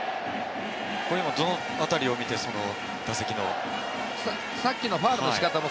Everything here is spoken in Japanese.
これ今どのあたりを見て、打席の。